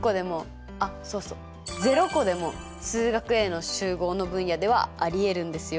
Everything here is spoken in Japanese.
あっそうそう０個でも「数学Ａ」の集合の分野ではありえるんですよ。